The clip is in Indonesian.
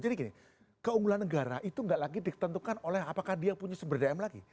jadi gini keunggulan negara itu gak lagi ditentukan oleh apakah dia punya sumber daya lagi